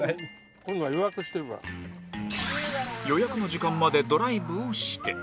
予約の時間までドライブをして